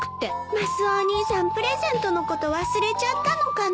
マスオお兄さんプレゼントのこと忘れちゃったのかな。